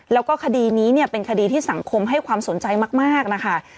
แล้วก็คดีนี้เนี่ยเป็นคดีที่สังคมให้ความสนใจมากนะคะ